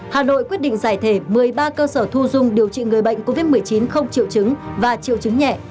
hà nội quyết định giải thể một mươi ba cơ sở thu dung điều trị người bệnh covid một mươi chín không triệu chứng và triệu chứng nhẹ